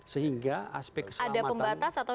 sehingga aspek ada pembatas atau